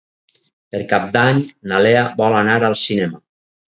Per Cap d'Any na Lea vol anar al cinema.